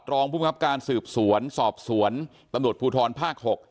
ตรองภูมิคับการสืบสวนสอบสวนประโยชน์ภูทรภาค๖